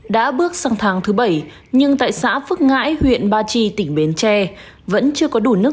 đã bước sang tháng thứ bảy nhưng tại xã phước ngãi huyện ba chi tỉnh bến tre vẫn chưa có đủ nước